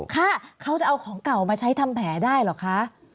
ค่ะเขาจะเอาของเก่ามาใช้ทำแผลได้เหรอคะ